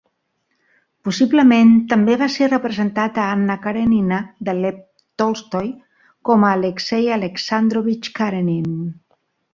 Possiblement també va ser representat a "Anna Karènina" de Lev Tolstoi com a Alexei Alexandrovich Karenin.